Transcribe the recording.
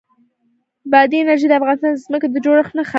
بادي انرژي د افغانستان د ځمکې د جوړښت نښه ده.